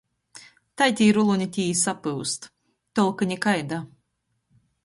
Tai tī ruloni tī i sapyust. Tolka nikaida.